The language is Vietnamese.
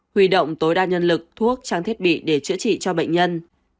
huy động tối đa nhân lực thuốc trang thiết bị để chữa trị cho bệnh nhân